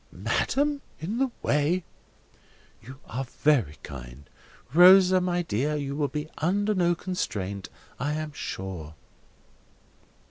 "Madam! In the way!" "You are very kind.—Rosa, my dear, you will be under no restraint, I am sure."